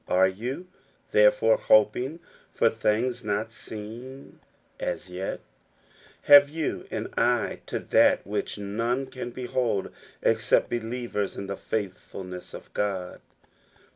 Are yoit^ therefore, hoping for things not seen as yet ? Have you an eye to that which none can behold except believers in the faithfulness of God